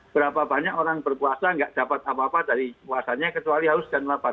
berapa banyak orang berpuasa nggak dapat apa apa dari puasanya kecuali haus dan lapar